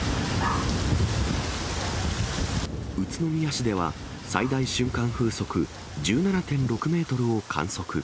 宇都宮市では、最大瞬間風速１７．６メートルを観測。